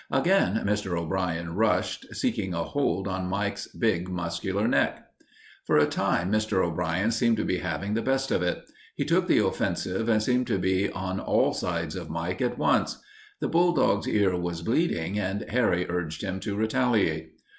Again Mr. O'Brien rushed, seeking a hold on Mike's big, muscular neck. For a time Mr. O'Brien seemed to be having the best of it. He took the offensive and seemed to be on all sides of Mike at once. The bulldog's ear was bleeding and Harry urged him to retaliate.